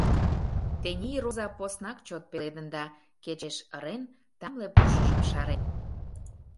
Тений роза поснак чот пеледын да, кечеш ырен, тамле пушыжым шарен.